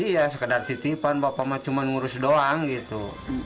iya sekedar titipan bapak ibu cuma ngurus doang gitu